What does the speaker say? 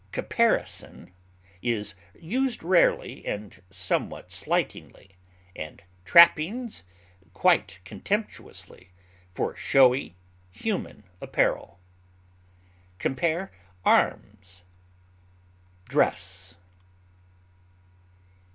Caparison is used rarely and somewhat slightingly, and trappings quite contemptuously, for showy human apparel. Compare ARMS; DRESS.